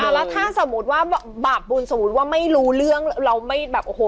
แล้วถ้าสมมุติว่าบาปบุญสมมุติว่าไม่รู้เรื่องเราไม่แบบโอ้โห